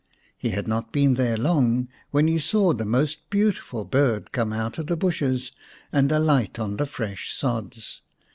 He had not been there long when he saw the most beautiful bird come out of the bushes and alight on the fresh sods.